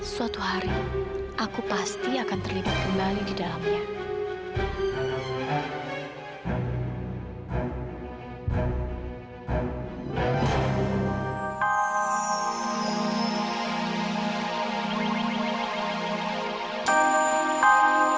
suatu hari aku pasti akan terlibat kembali di dalamnya